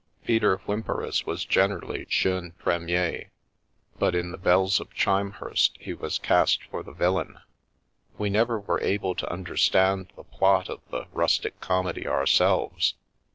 Peter Whymperis was generally jeune premier, but in " The Bells of Chimehurst " he was cast for the villain. We never were able to under stand the plot of the " rustic comedy " ourselves.